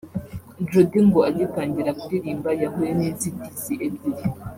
Jody ngo agitangira kuririmba yahuye n’inzitizi ebyiri